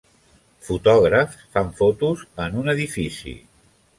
fotògrafs fan fotos en un edifici.